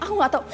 aku gak tau